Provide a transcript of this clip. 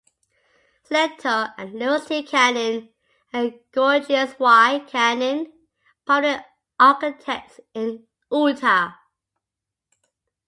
Senator; and Lewis T. Cannon and Georgius Y. Cannon, prominent architects in Utah.